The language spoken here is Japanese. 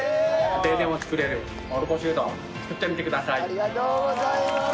ありがとうございます！